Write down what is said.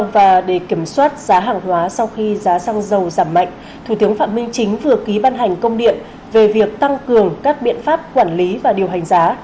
và để kiểm soát giá hàng hóa sau khi giá xăng dầu giảm mạnh thủ tướng phạm minh chính vừa ký ban hành công điện về việc tăng cường các biện pháp quản lý và điều hành giá